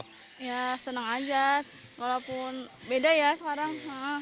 ya senang aja walaupun beda ya sekarang